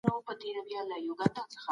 د سترګو د استراحت لپاره لرې وګورئ.